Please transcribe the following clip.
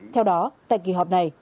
theo đó tại kỳ họp này